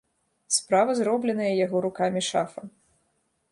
Справа зробленая яго рукамі шафа.